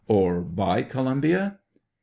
Or by Columbia ? A.